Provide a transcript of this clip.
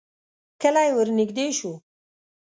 کلی ورنږدې شو.